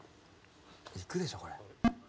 いくでしょこれ。